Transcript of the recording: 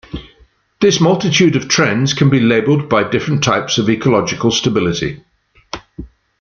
This multitude of trends can be labeled by different types of ecological stability.